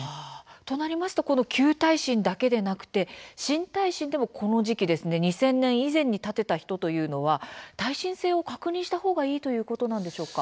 となりますと旧耐震だけでなくて新耐震でも２０００年以前に建てた人というのは耐震性を確認した方がいいということなんでしょうか。